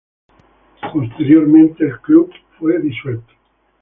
Posteriormente el club fue disuelto.